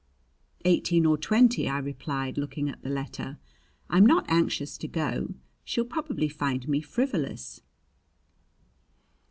"Eighteen or twenty," I replied, looking at the letter. "I'm not anxious to go. She'll probably find me frivolous."